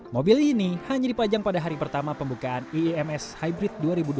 mobil ini hanya dipajang pada hari pertama pembukaan iims hybrid dua ribu dua puluh